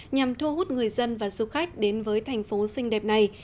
nhằm thu hút người dân và du khách đến với thành phố xinh đẹp này